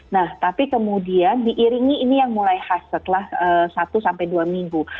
nah tapi kemudian diiringi ini yang mulai khas setelah satu sampai dua minggu